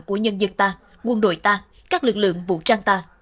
của nhân dân ta quân đội ta các lực lượng vũ trang ta